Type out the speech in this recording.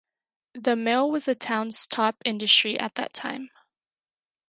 The mill was the town's top industry at that time.